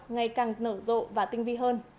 ngày càng nở rộ và tinh vi hơn